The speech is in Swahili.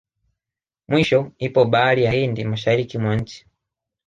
Mwisho ipo bahari ya Hindi mashariki mwa nchi